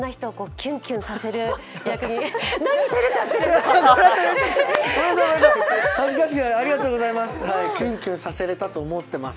キュンキュンさせれたと思っています。